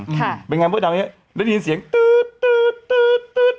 ค่ะเป็นไงมดดำเนี้ยได้ยินเสียงตื๊ดตื๊ดตื๊ดตื๊ด